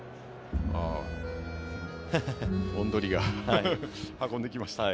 おん鳥が運んできました。